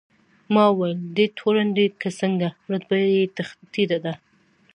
ما وویل: دی تورن دی که څنګه؟ رتبه یې ټیټه ده.